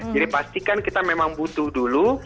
jadi pastikan kita memang butuh dulu